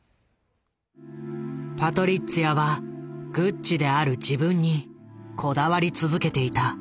パトリッツィアはグッチである自分にこだわり続けていた。